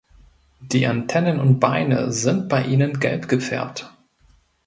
Die Antennen und Beine sind bei ihnen gelb gefärbt.